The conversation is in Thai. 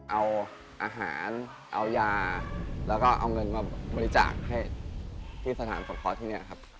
เอาอาหารเอายาและเอาเงินมาบริจาคให้ภูติสถานสงครอบครัว